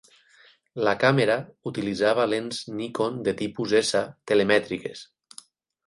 La càmera utilitzava lents Nikon de tipus "S" telemètriques.